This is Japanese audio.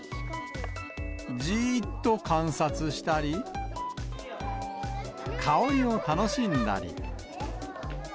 じーっと観察したり、香りを楽しんだり。